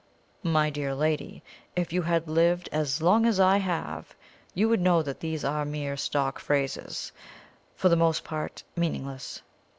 My dear lady, if you had lived as long as I have, you would know that these are mere stock phrases for the most part meaningless.